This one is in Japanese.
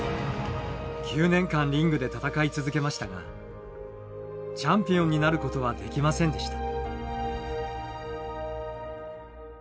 ９年間リングで戦い続けましたがチャンピオンになることはできませんでした。